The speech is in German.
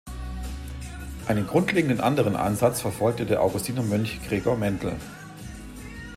Einen grundlegend anderen Ansatz verfolgte der Augustiner-Mönch Gregor Mendel.